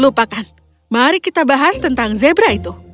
lupakan mari kita bahas tentang zebra itu